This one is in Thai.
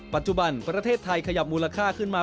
ปัจจุบันประเทศไทยขยับมูลค่าขึ้นมา